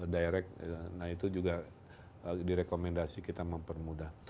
direct nah itu juga direkomendasi kita mempermudah